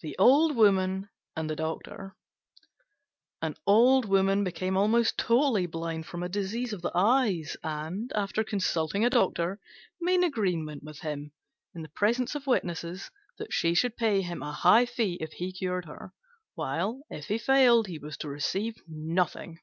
THE OLD WOMAN AND THE DOCTOR An Old Woman became almost totally blind from a disease of the eyes, and, after consulting a Doctor, made an agreement with him in the presence of witnesses that she should pay him a high fee if he cured her, while if he failed he was to receive nothing.